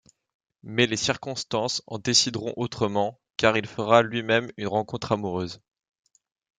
Mais les circonstances en décideront autrement car il fera lui-même une rencontre amoureuse.